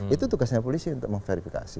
itu tugasnya polisi untuk memverifikasi